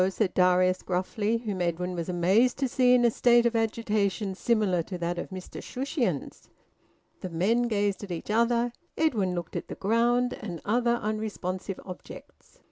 said Darius gruffly, whom Edwin was amazed to see in a state of agitation similar to that of Mr Shushions. The men gazed at each other; Edwin looked at the ground and other unresponsive objects.